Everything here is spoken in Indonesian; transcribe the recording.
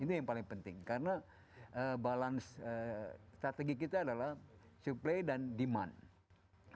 ini yang paling penting karena balance strategi kita adalah supply dan demand